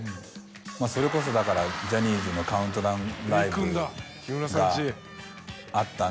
それこそだからジャニーズのカウントダウンライブがあったんだろう。